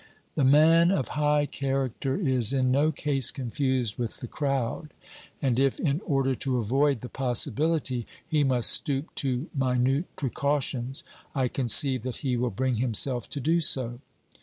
The man of high character is in no case confused with the crowd, and if in order to avoid the possibility he must stoop to minute precautions, I conceive that he will bring himself to do so.